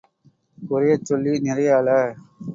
குறையச் சொல்லி, நிறைய அள.